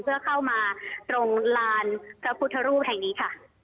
เพื่อเข้ามาตรงลานพระพุทธรูปแห่งนี้ค่ะ